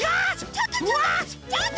ちょっとちょっと！